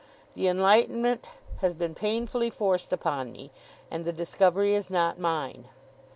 The enlightenment has been painfully forced upon me, and the discovery is not mine.